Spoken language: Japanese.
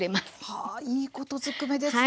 はあいいことずくめですね。